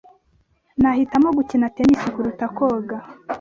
Nahitamo gukina tennis kuruta koga.